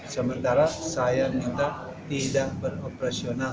sementara saya minta tidak beroperasional